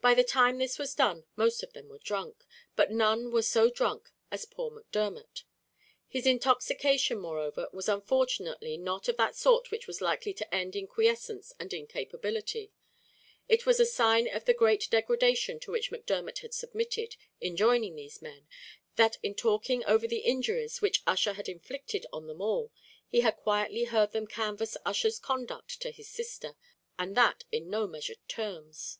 By the time this was done most of them were drunk, but none were so drunk as poor Macdermot. His intoxication, moreover, was unfortunately not of that sort which was likely to end in quiescence and incapability. It was a sign of the great degradation to which Macdermot had submitted, in joining these men, that in talking over the injuries which Ussher had inflicted on them all, he had quietly heard them canvass Ussher's conduct to his sister, and that in no measured terms.